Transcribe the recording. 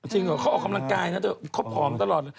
จริงหรือเขาเอาความลังกายนะเขาผอมตลอด